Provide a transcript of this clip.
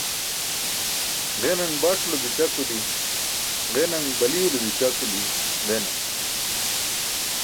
Ġenaṅ baṭulo bica kuli ġenaṅ, balilo bica kuli ġenaṅ.